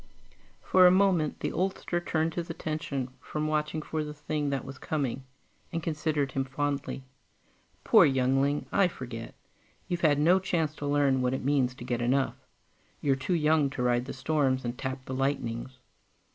For a moment, the oldster turned his attention from watching for the thing that was coming, and considered him fondly. "Poor youngling. I forget. You've had no chance to learn what it means to get enough. You're too young to ride the storms and tap the lightnings....